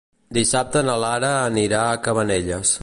Dissabte na Lara anirà a Cabanelles.